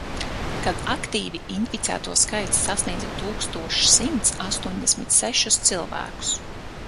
Kad aktīvi inficēto skaits sasniedza tūkstoš simt astoņdesmit sešus cilvēkus.